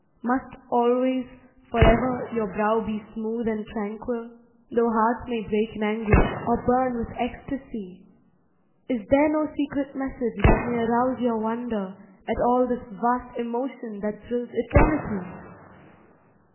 Must always—for ever, your brow be smooth and tranquil, Though hearts may break in anguish, or burn with ecstasy? Is there no secret message that may arouse your wonder At all this vast emotion that thrills Eternity?